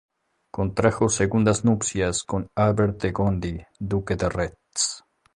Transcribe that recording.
Contrajo segundas nupcias con Albert de Gondi, duque de Retz.